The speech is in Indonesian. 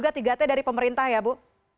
dan ini ada tiga t dari pemerintah ya bu